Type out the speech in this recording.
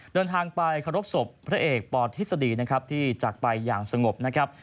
เดินทางไปเคารพศพพระเอกปธิษฎีนะครับที่จากไปอย่างสงบนะครับ